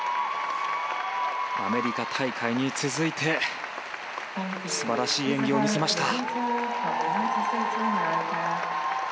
アメリカ大会に続いて素晴らしい演技を見せました。